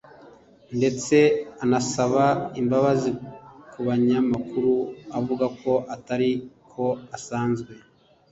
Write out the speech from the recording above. ndetse anasaba imbabazi ku banyamakuru avuga ko atari ko asanzwe